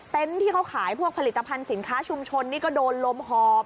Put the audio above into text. ที่เขาขายพวกผลิตภัณฑ์สินค้าชุมชนนี่ก็โดนลมหอบ